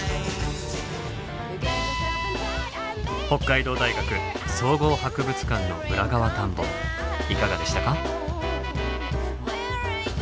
北海道大学総合博物館の裏側探訪いかがでしたか？